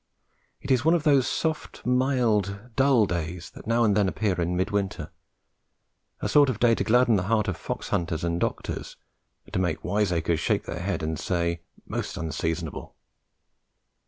It is one of those soft mild dull days that now and then appear in mid winter, a sort of day to gladden the heart of foxhunters and doctors, and to make wiseacres shake their heads and say "most unseasonable."